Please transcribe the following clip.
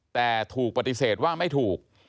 แต่ถูกปฏิเสธว่าไม่ถูก